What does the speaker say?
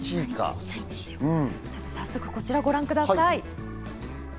早速こちらをご覧ください。